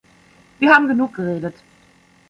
Wir haben genug geredet.